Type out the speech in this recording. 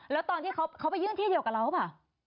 แล้วตอนที่เค้าไปยื่นที่เดียวกับเราป่ะ